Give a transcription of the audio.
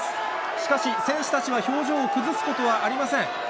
しかし、選手たちは表情を崩すことはありません。